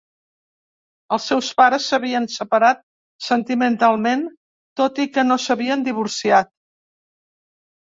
Els seus pares s'havien separat sentimentalment, tot i que no s'havien divorciat.